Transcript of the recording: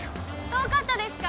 遠かったですか？